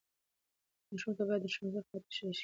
ماشوم ته باید د ښوونځي قواعد تشریح شي.